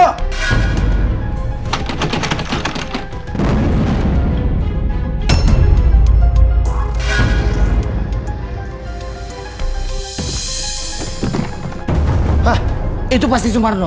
hah itu pasti sumarno